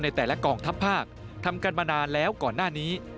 แต่ละกองทัพภาคทำกันมานานแล้วก่อนหน้านี้